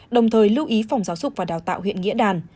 đồng thời lưu ý phòng giáo dục và đào tạo huyện nghĩa đàn